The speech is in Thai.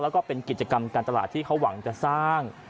แล้วก็เป็นกิจกรรมการตลาดที่เขาหวังจะสร้าง